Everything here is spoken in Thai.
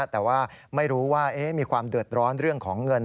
แต่ว่าไม่รู้ว่ามีความเดือดร้อนเรื่องของเงิน